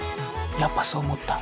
やっぱそう思った？